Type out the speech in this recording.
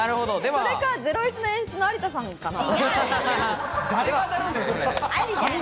それか『ゼロイチ』の演出のありたさんかな。